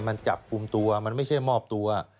มันจับกลุ่มตัวมันไม่ใช่มอบตัว